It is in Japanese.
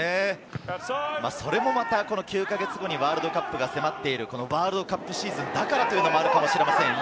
それもまた９か月後にワールドカップが迫っているワールドカップシーズンだからというのもあるかもしれません。